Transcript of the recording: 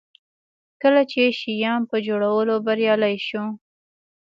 کله چې شیام په جوړولو بریالی شو.